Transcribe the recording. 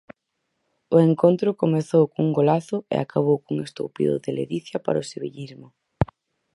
O encontro comezou cun golazo e acabou cun estoupido de ledicia para o sevillismo.